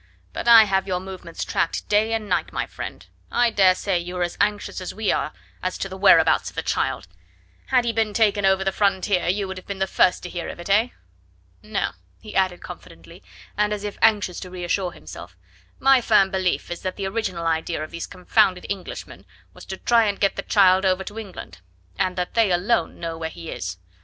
but I have your movements tracked day and night, my friend. I dare say you are as anxious as we are as to the whereabouts of the child. Had he been taken over the frontier you would have been the first to hear of it, eh? No," he added confidently, and as if anxious to reassure himself, "my firm belief is that the original idea of these confounded Englishmen was to try and get the child over to England, and that they alone know where he is.